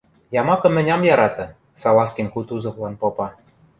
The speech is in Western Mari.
— Ямакым мӹнь ам яраты, — Салазкин Кутузовлан попа.